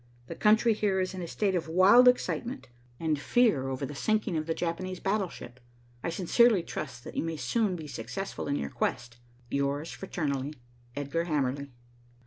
The country here is in a state of wild excitement and fear over the sinking of the Japanese battleship. I sincerely trust that you may soon be successful in your quest. "Yours fraternally, "EDGAR HAMERLY."